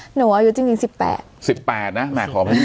หนูอายุจริง๑๘ปี